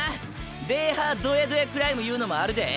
デーハードヤドヤクライムいうのもあるで。